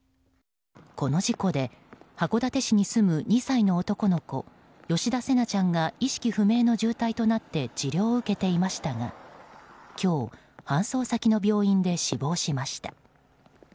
この事故で、函館市に住む２歳の男の子吉田成那ちゃんが意識不明の重体となって治療を受けていましたが今日、搬送先の病院で死亡しました。